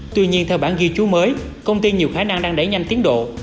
tuy nhiên theo bản ghi chú mới công ty nhiều khả năng đang đẩy nhanh tiến độ